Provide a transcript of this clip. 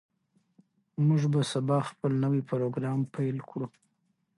موږ به سبا خپل نوی پروګرام پیل کړو.